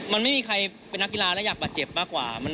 มันไม่มีใครเป็นนักกีฬาและอยากบาดเจ็บมากกว่า